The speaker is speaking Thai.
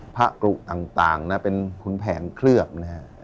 พระกรุกต่างเป็นขุนแผนเคลือบนะครับ